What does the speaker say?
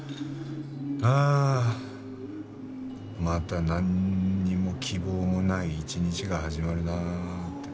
ああまたなんにも希望もない一日が始まるなあって。